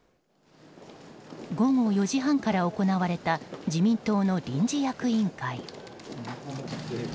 午後４時半から行われた自民党の臨時役員会。